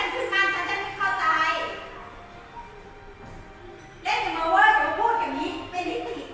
เข้าใจเล่นอย่ามาเวอร์อย่ามาพูดอย่างนี้เป็นเลขติด